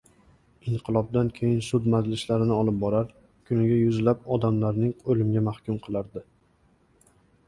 Inqilobdan keyingi sud majlislarini olib borar, kuniga yuzlab odamlarni oʻlimga mahkum qilardi.